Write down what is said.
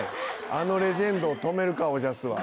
あのレジェンドを止めるかおじゃすは。